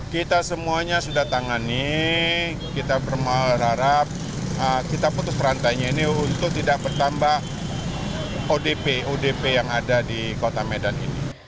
kita semuanya sudah tangani kita berharap kita putus perantainya ini untuk tidak bertambah odp odp yang ada di kota medan ini